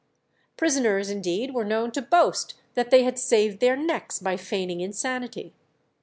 Prisoners indeed were known to boast that they had saved their necks by feigning insanity.